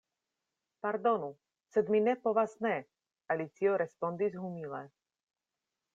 "Pardonu, sed mi ne povas ne," Alicio respondis humile.